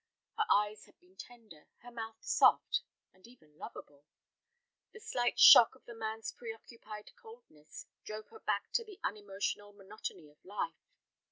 Her eyes had been tender, her mouth soft, and even lovable. The slight shock of the man's preoccupied coldness drove her back to the unemotional monotony of life.